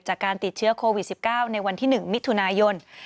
จากการติดเชื้อโควิด๑๙ในวันที่๑มิถุนายน